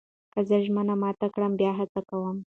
که زه ژمنه مات کړم، بیا هڅه کوم.